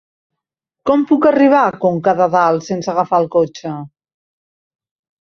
Com puc arribar a Conca de Dalt sense agafar el cotxe?